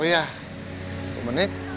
oh iya pemenik